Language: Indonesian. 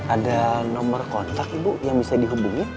ada nomor kontak ibu yang bisa dihubungi